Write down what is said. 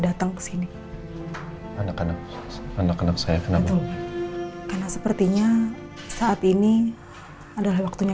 datang sini anak anak anak anak saya kenapa karena sepertinya saat ini adalah waktunya